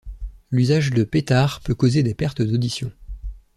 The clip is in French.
L'usage de pétards peut causer des pertes d'audition.